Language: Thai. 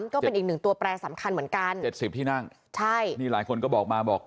ก็เป็นอีกหนึ่งตัวแปรสำคัญเหมือนกันเจ็ดสิบที่นั่งใช่นี่หลายคนก็บอกมาบอก